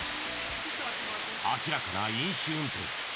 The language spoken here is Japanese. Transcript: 明らかな飲酒運転。